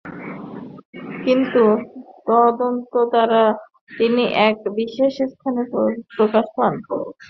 কিন্তু মন্থন দ্বারা তিনি এক বিশেষ স্থানে প্রকাশ পান।